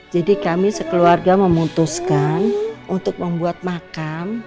jadi kami sekeluarga memutuskan untuk membuat makam